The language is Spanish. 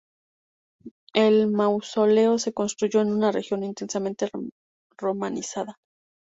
El mausoleo se construyó en una región intensamente romanizada.